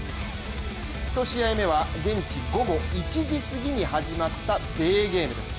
１試合目は現地午後１時すぎに始まったデーゲームです。